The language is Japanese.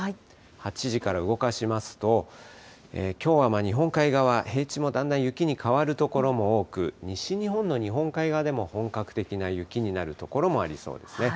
８時から動かしますと、きょうは日本海側、平地もだんだん雪に変わる所も多く、西日本の日本海側でも、本格的な雪になる所もありそうですね。